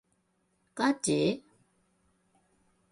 ガチ？